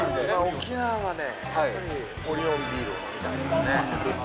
沖縄はね、やっぱりオリオンビール飲みたくなるね。